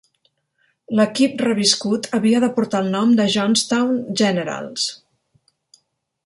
L'equip reviscut havia de portar el nom de Johnstown Generals.